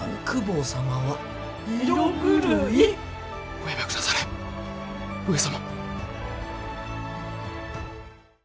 おやめ下され上様。